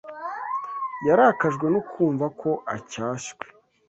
yarakajwe no kumva ko acyashywe